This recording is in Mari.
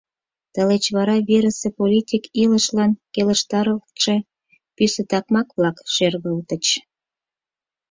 Тылеч вара верысе политик илышлан келыштаралтше пӱсӧ такмак-влак шергылтыч.